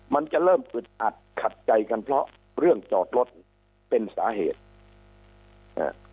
มันจะเริ่มอึดอัดขัดใจกันเพราะเรื่องจอดรถเป็นสาเหตุอ่า